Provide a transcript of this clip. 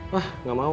wah gak mau